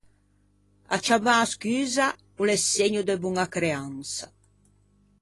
Acciammâ scusa o l’é segno de boña creansa.